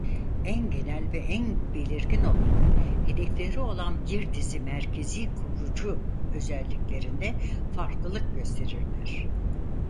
En genel ve en belirgin olanı hedefleri olan bir dizi merkezi kurucu özelliklerinde farklılık gösterirler.